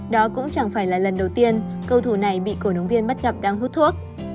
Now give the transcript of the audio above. đó cũng chẳng phải là lần đầu tiên cầu thủ này bị cổ động viên bắt gặp đang hút thuốc